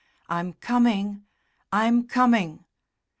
I'm coming! I'm coming!"